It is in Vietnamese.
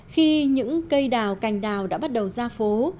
khi những cây đào cành đào đã bắt đầu ra phố